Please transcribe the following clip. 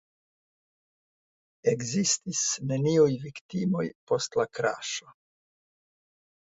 Ekzistis neniuj viktimoj post la kraŝo.